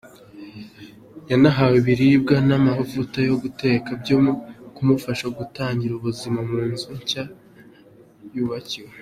Yanahawe ibiribwa n’amavuta yo guteka byo kumufasha gutangira ubuzima mu nzu nshya yubakiwe.